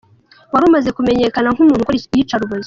Wari umaze kumenyekana nk’umuntu ukora iyicarubozo.